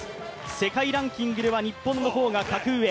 世界ランキングでは日本の方が格上。